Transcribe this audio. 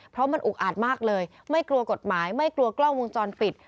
เพราะมันอุกอาจมากเลยไม่กลัวกฎหมายไม่กลัวกล้องวงจรปิด